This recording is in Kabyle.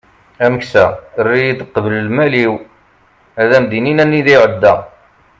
ameksa err-iyi-d qbel lmal-iw ad am-d-inin anida iεedda